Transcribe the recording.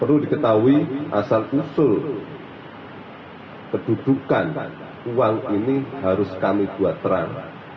perlu diketahui asal usul kedudukan uang ini harus kami buat terang